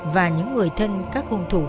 và những người thân các hôn thủ